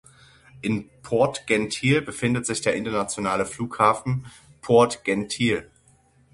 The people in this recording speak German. In Port-Gentil befindet sich der Internationale Flughafen Port-Gentil.